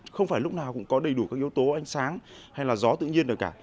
không đầy đủ các yếu tố ánh sáng hay là gió tự nhiên được cả